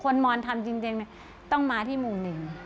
มอนทำจริงต้องมาที่หมู่หนึ่ง